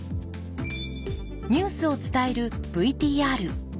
ニュースを伝えるＶＴＲ。